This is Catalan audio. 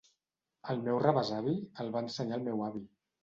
El meu rebesavi el va ensenyar al meu avi